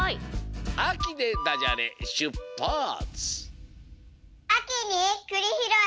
「あき」でダジャレしゅっぱつ！